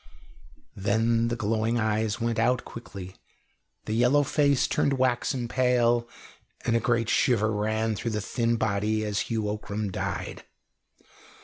Then the glowing eyes went out quickly, the yellow face turned waxen pale, and a great shiver ran through the thin body as Hugh Ockram died.